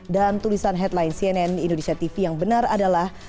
dan tulisan headline cnn indonesia tv yang benar adalah